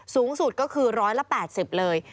สูงสุดก็คือ๑๘๐เลย